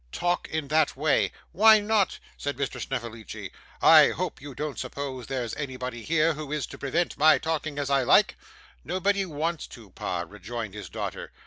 'Talk in that way.' 'Why not?' said Mr. Snevellicci. 'I hope you don't suppose there's anybody here who is to prevent my talking as I like?' 'Nobody wants to, pa,' rejoined his daughter.